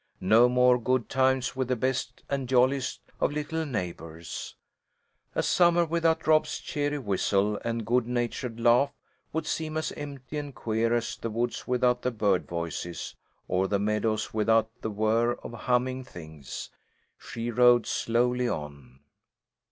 No more good times with the best and jolliest of little neighbours. A summer without Rob's cheery whistle and good natured laugh would seem as empty and queer as the woods without the bird voices, or the meadows without the whirr of humming things. She rode slowly on.